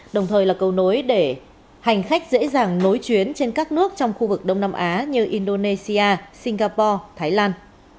đồng thời là cầu nối để hành khách dễ dàng nối chuyến trên các nước trong khu vực đông nam á như indonesia singapore thái lan